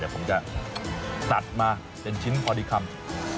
เดี๋ยวผมจะตัดมาเป็นชิ้นพอดีคัม